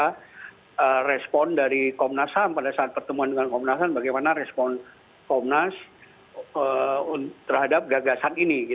karena respon dari komnas ham pada saat pertemuan dengan komnas ham bagaimana respon komnas terhadap gagasan ini